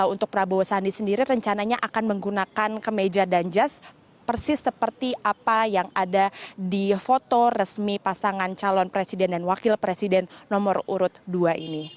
untuk prabowo sandi sendiri rencananya akan menggunakan kemeja dan jas persis seperti apa yang ada di foto resmi pasangan calon presiden dan wakil presiden nomor urut dua ini